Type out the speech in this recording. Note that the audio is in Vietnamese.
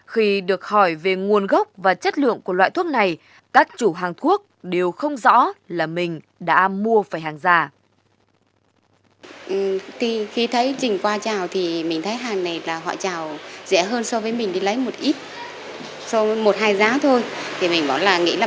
khi được hỏi về nguồn gốc và chất lượng của loại thuốc này các chủ hàng thuốc đều không rõ là mình đã mua phải hàng giả